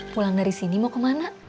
pulang dari sini mau kemana